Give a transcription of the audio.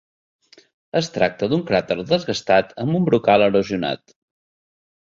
Es tracta d'un cràter desgastat amb un brocal erosionat.